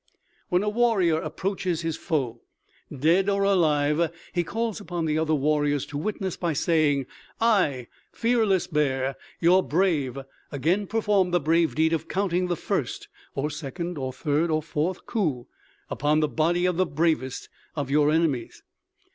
"When a warrior approaches his foe, dead or alive, he calls upon the other warriors to witness by saying: 'I, Fearless Bear, your brave, again perform the brave deed of counting the first (or second or third or fourth) coup upon the body of the bravest of your enemies.'